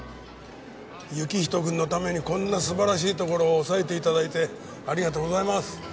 行人君のためにこんな素晴らしいところを押さえて頂いてありがとうございます。